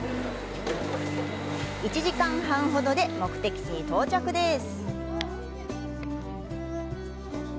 １時間半ほどで目的地に到着です。